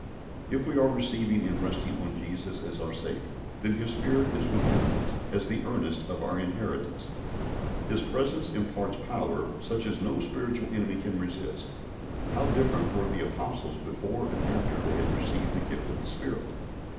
If we are receiving and resting on Jesus as our Saviour, then His Spirit is within us as the earnest of our inheritance. His presence imparts power such as no spiritual enemy can resist. How different were the Apostles before and after they had received the gift of the Spirit!